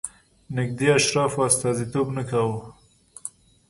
نږدې اشرافو استازیتوب نه کاوه.